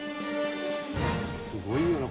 「すごいよな